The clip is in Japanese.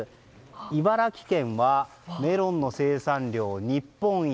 茨城県はメロンの生産量日本一。